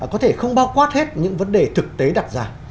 có thể không bao quát hết những vấn đề thực tế đặt ra